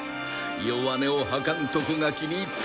弱音を吐かんとこが気に入った！